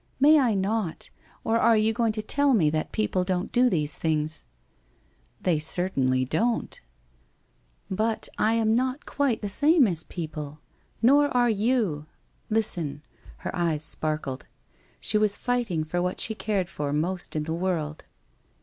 May I not, or are you going to tell me that people don't do these things? '' They certainly don't.' ' But I am not quite the same as people — nor are you. Listen.' Her eyes sparkled. She was fighting for what she cared for most in the world.